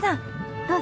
どうぞ。